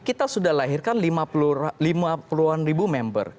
kita sudah lahirkan lima puluh member